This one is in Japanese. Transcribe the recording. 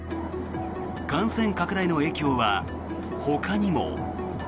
感染拡大の影響はほかにも。